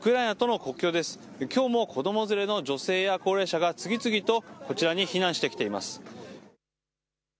きょうも子ども連れの女性や高齢者が次々とこちらに避難してきています。